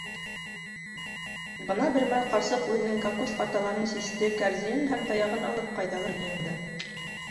Бына бер мәл ҡарсыҡ үҙенең кокос-ҡаталарын систе, кәрзинен һәм таяғын алып, ҡайҙалыр йыйынды.